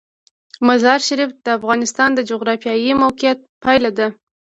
مزارشریف د افغانستان د جغرافیایي موقیعت پایله ده.